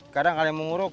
kadang kalian mau nguruk